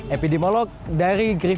epidemiolog dari griega